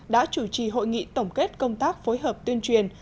đã chủ trì hội nghị tổng kết công tác phối hợp tuyên truyền